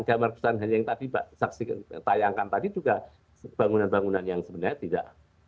gambar gambar yang tadi mbak saksi tayangkan tadi juga bangunan bangunan yang sebenarnya tidak